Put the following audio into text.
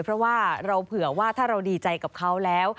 เพราะว่าเราเผื่อว่าถ้าเราดีใจกับเขาแล้ว